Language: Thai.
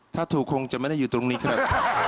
ถ้าถูกคงจะไม่ได้อยู่ตรงนี้ครับ